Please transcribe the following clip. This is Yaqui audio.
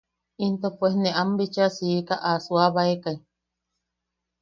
Into pues ne am bichaa siika a suuabaekai.